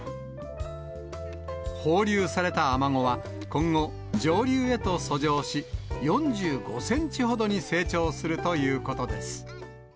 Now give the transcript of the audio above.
放流されたアマゴは今後、上流へと遡上し、４５センチほどに成長するということです。